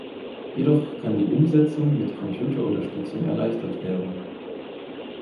Jedoch kann die Umsetzung mit Computerunterstützung erleichtert werden.